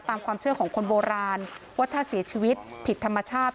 ตามความเชื่อของคนโบราณว่าถ้าเสียชีวิตผิดธรรมชาติ